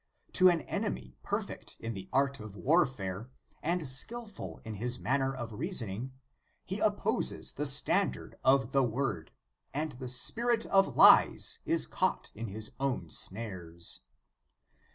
To an enemy perfect in that art of warfare, and skilful in his manner of reason ing, he opposes the standard of the Word, and the spirit of lies is caught in his own snares.